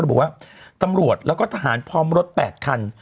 บอกว่าตำรวจแล้วก็ทหารพร้อมรถ๘คัน